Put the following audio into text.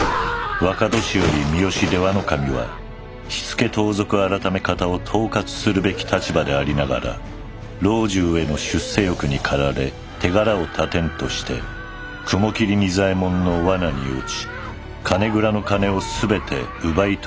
若年寄三好出羽守は火付盗賊改方を統括するべき立場でありながら老中への出世欲に駆られ手柄を立てんとして雲霧仁左衛門の罠に落ち金蔵の金を全て奪い取られてしまった。